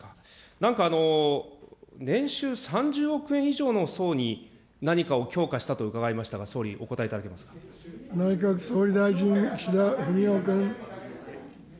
なんか、年収３０億円以上の層に何かを強化したと伺いましたが、総理、内閣総理大臣、岸田文雄君。